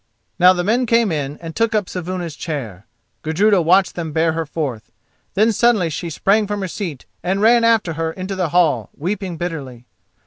Now the men came in and took up Saevuna's chair. Gudruda watched them bear her forth. Then suddenly she sprang from her seat and ran after her into the hall, weeping bitterly.